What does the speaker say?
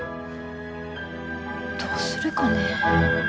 どうするかね。